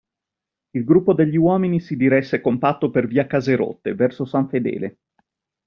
Il gruppo degli uomini si diresse compatto per via Caserotte, verso San Fedele.